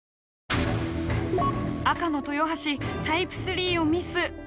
赤の豊橋タイプ３をミス。